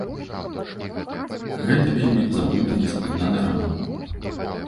Гэта вельмі заблытаны і складаны раман.